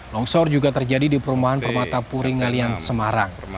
longsor juga terjadi di perumahan permata puring alian semarang